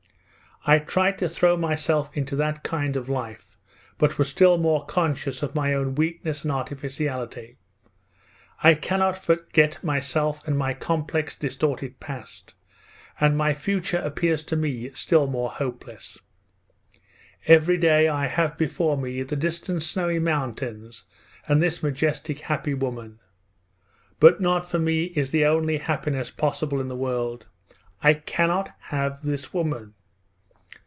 'I tried to throw myself into that kind of life but was still more conscious of my own weakness and artificiality. I cannot forget myself and my complex, distorted past, and my future appears to me still more hopeless. Every day I have before me the distant snowy mountains and this majestic, happy woman. But not for me is the only happiness possible in the world; I cannot have this woman!